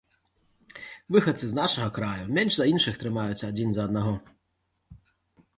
Выхадцы з нашага краю менш за іншых трымаюцца адзін за аднаго.